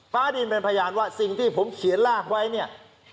ฟ้าดินเป็นพยานว่าสิ่งที่ผมเขียนลากไว้เนี่ย